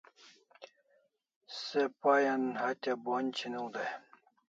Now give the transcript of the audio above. Se pay an hatya bonj chiniw day